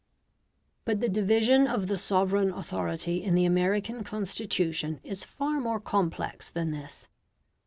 But the division of the sovereign authority in the American Constitution is far more complex than this.